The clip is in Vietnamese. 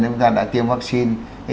nếu chúng ta đã tiêm vaccine